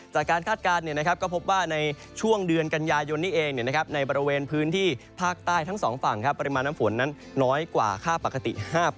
คาดการณ์ก็พบว่าในช่วงเดือนกันยายนนี้เองในบริเวณพื้นที่ภาคใต้ทั้งสองฝั่งปริมาณน้ำฝนนั้นน้อยกว่าค่าปกติ๕